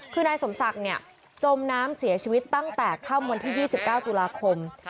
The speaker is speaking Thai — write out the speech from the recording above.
คือนายสมศักดิ์จมน้ำเสียชีวิตตั้งแต่ค่ำวันที่๒๙ตุลาคม